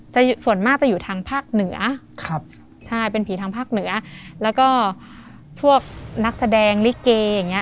ส่วนมากจะอยู่ทางภาคเหนือครับใช่เป็นผีทางภาคเหนือแล้วก็พวกนักแสดงลิเกอย่างเงี้